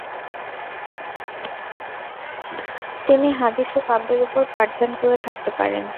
তিনি হাদিস ও কাব্যের উপর পাঠদান করে থাকতে পারেন।